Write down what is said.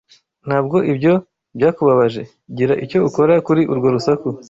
Ntabwo ibyo byakubabaje? Gira icyo ukora kuri urwo rusaku.